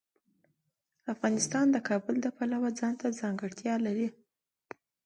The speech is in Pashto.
افغانستان د کابل د پلوه ځانته ځانګړتیا لري.